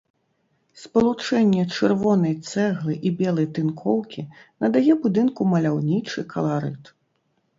Спалучэнне чырвонай цэглы і белай тынкоўкі надае будынку маляўнічы каларыт.